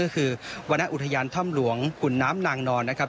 คือวัณะอุทยานท่ำหลวงขุนน้ำงาดีน